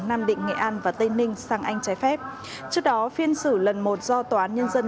nam định nghệ an và tây ninh sang anh trái phép trước đó phiên xử lần một do tòa án nhân dân